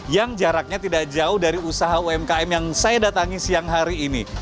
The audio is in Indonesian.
yang jaraknya tidak jauh dari usaha umkm yang saya datangi siang hari ini